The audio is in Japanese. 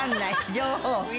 両方？